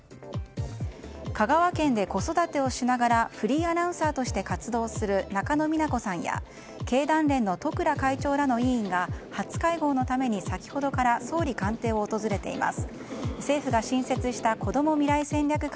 香川県で子育てをしながらフリーアナウンサーとして活動する中野美奈子さんや経団連の十倉会長らの委員が初会合のために先ほどから総理官邸を訪れています。